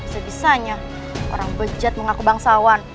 sebisanya orang bejat mengaku bangsawan